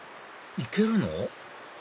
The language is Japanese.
行けるの？